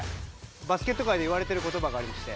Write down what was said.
バスケット界でいわれてる言葉がありまして。